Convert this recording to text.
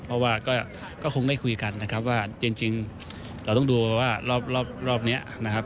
เพราะว่าก็คงได้คุยกันนะครับว่าจริงเราต้องดูว่ารอบนี้นะครับ